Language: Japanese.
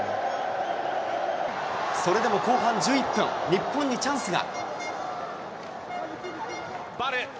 それでも後半１１分、日本にチャンスが。